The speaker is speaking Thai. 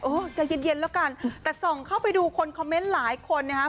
ใจเย็นแล้วกันแต่ส่องเข้าไปดูคนคอมเมนต์หลายคนนะครับ